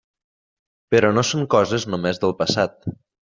Però no són coses només del passat.